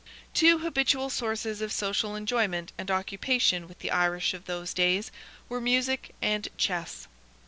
Two habitual sources of social enjoyment and occupation with the Irish of those days were music and chess.